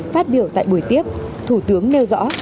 phát biểu tại buổi tiếp thủ tướng nêu rõ